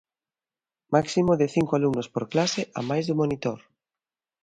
Máximo de cinco alumnos por clase amais do monitor.